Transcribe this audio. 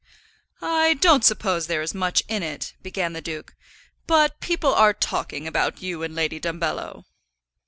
"I don't suppose there is much in it," began the duke, "but people are talking about you and Lady Dumbello."